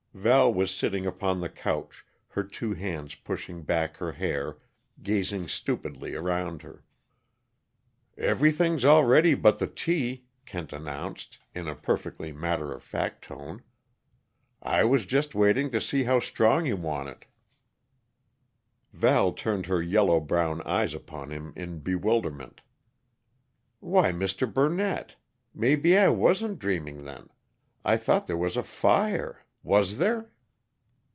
Val was sitting upon the couch, her two hands pushing back her hair, gazing stupidly around her. "Everything's all ready but the tea," Kent announced, in a perfectly matter of fact tone. "I was just waiting to see how strong you want it." Val turned her yellow brown eyes upon him in bewilderment. "Why, Mr. Burnett maybe I wasn't dreaming, then. I thought there was a fire. Was there?"